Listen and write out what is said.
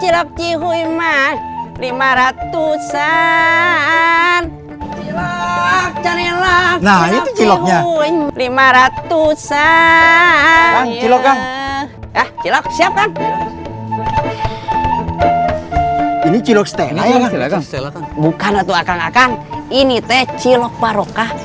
cilok cilok siapkan ini cilok setelah yang bukan atau akan akan ini teh cilok parokah